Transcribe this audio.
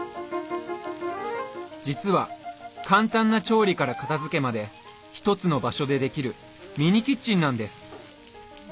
実は簡単な調理から片づけまで一つの場所でできるミニキッチンなんです。